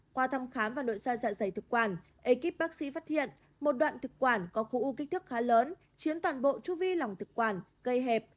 qua thăm khám và nội so dạ dày thực quản ekip bác sĩ phát hiện một đoạn thực quản có khối u kích thước khá lớn chiếm toàn bộ chu vi lòng thực quản gây hẹp